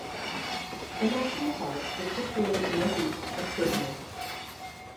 The national park is situated northeast of Sydney.